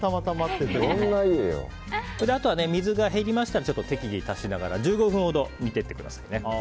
あとは水が減りましたら適宜足しながら１５分ほど煮てくださいね。